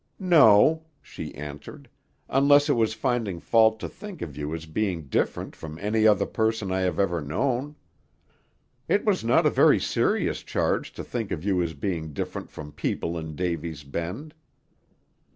"No," she answered, "unless it was finding fault to think of you as being different from any other person I have ever known. It was not a very serious charge to think of you as being different from the people in Davy's Bend."